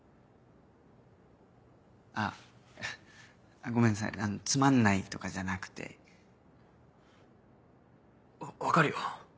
あごめんなさいつまんないとかじゃなくて。わ分かるよ。